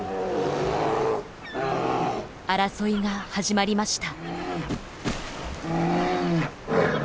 争いが始まりました。